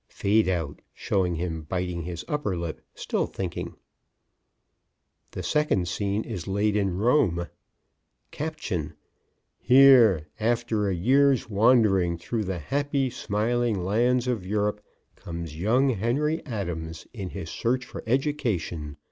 (Fade out showing him biting his upper lip, still thinking.) The second scene is laid in Rome. Caption: "HERE, AFTER A YEAR'S WANDERING THROUGH THE HAPPY, SMILING LANDS OF EUROPE, COMES YOUNG HENRY ADAMS IN HIS SEARCH FOR EDUCATION.